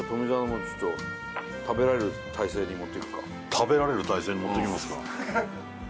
食べられる体勢にもっていきますか。